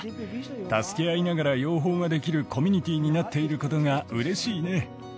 助け合いながら養蜂ができるコミュニティになっていることがうれしいね。